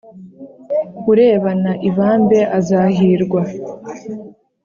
urebana ibambe azahirwa